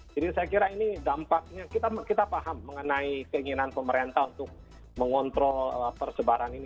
jadi saya kira ini dampaknya kita paham mengenai keinginan pemerintah untuk mengontrol persebaran ini